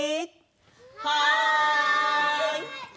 はい！